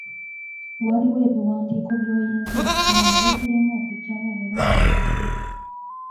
Waliwo ebiwandiiko by'oyinza okusoma ne bikulema okuggyamu obulungi amakulu.